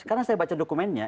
karena saya baca dokumennya